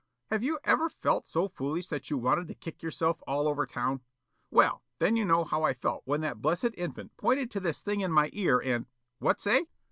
Have you ever felt so foolish that you wanted to kick yourself all over town? Well, then you know how I felt when that blessed infant pointed to this thing on my ear and What say?"